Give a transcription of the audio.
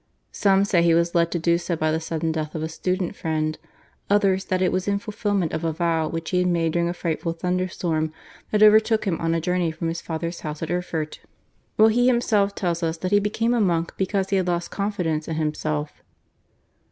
Some say he was led to do so by the sudden death of a student friend, others that it was in fulfilment of a vow which he had made during a frightful thunderstorm that overtook him on a journey from his father's house to Erfurt, while he himself tells us that he became a monk because he had lost confidence in himself.